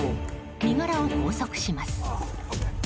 身柄を拘束します。